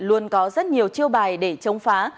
luôn có rất nhiều chiêu bài để chống phá